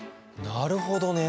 なるほどね。